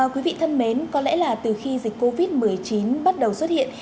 quý vị thân mến có lẽ là từ khi dịch covid một mươi chín bắt đầu xuất hiện